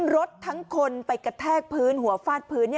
รถทั้งคนไปกระแทกพื้นหัวฟาดพื้น